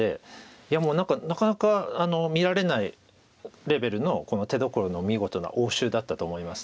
いやもうなかなか見られないレベルの手どころの見事な応手だったと思います。